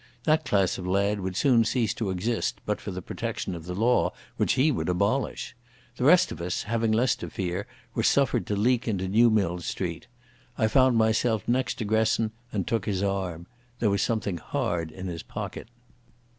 That class of lad would soon cease to exist but for the protection of the law which he would abolish. The rest of us, having less to fear, were suffered to leak into Newmilns Street. I found myself next to Gresson, and took his arm. There was something hard in his coat pocket.